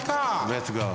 レッツゴー。